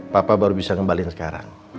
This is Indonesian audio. pak baru bisa ngembalikan sekarang